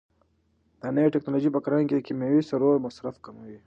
دا نوې ټیکنالوژي په کرنه کې د کیمیاوي سرو مصرف کموي.